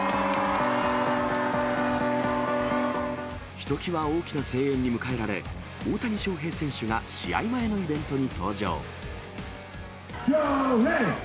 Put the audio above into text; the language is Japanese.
ひときわ大きな声援に迎えられ、大谷翔平選手が試合前のイベントに登場。